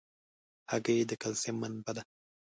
هګۍ د کلسیم منبع ده.